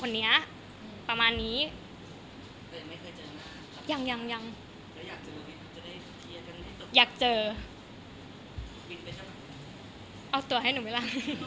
เอาตัวให้หนูไหมล่ะ